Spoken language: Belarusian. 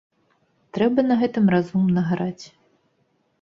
Трэба на гэтым разумна граць.